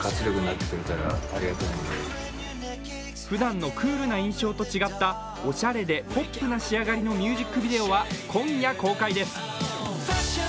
ふだんのクールな印象と違ったおしゃれでポップな仕上がりのミュージックビデオは今夜公開です。